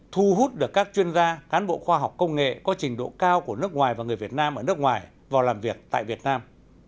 thu hút được các chuyên gia cán bộ khoa học công nghệ có trình độ cao của nước ngoài và người việt nam ở nước ngoài vào làm việc tại việt nam